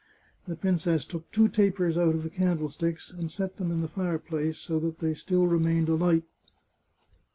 The princess took two tapers out of the candlesticks, and set them in the fireplace, so that they still remained alight.